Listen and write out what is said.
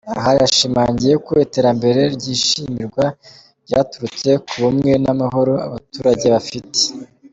Aha yashimangiye ko iterambere ryishimirwa ryaturutse ku bumwe n’amahoro abaturage bafite.